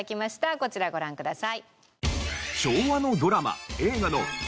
こちらご覧ください。